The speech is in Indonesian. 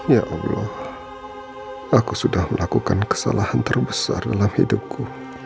ya allah aku sudah melakukan kesalahan terbesar dalam hidupku